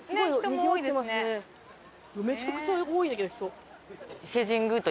めちゃくちゃ多いんだけど人。